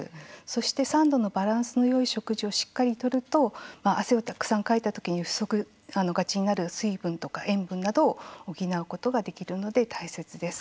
そして３度のバランスのよい食事をしっかりとると汗をたくさんかいたときに不足がちになる水分とか塩分などを補うことができるので大切です。